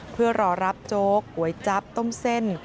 เพื่อรอรับโจ๊กก๋วยจั๊บต้มเส้น